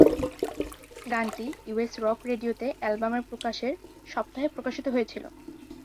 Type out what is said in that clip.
গানটি US rock রেডিওতে অ্যালবামের প্রকাশের সপ্তাহে প্রকাশিত হয়েছিল।